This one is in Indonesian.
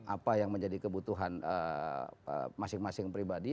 apa yang menjadi kebutuhan masing masing pribadi